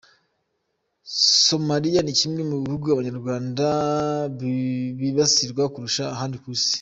Somalia ni kimwe mu bihugu Abanyamakuru bibasirwa kurusha ahandi ku isi.